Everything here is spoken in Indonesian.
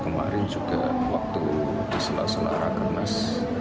kemarin juga waktu di selah selah rakyat mas